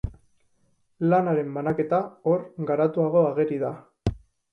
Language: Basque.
Lanaren banaketa hor garatuago ageri da.